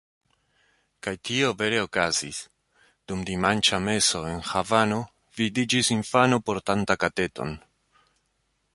Kaj tio vere okazis: dum dimanĉa meso en Havano vidiĝis infano portanta kateton.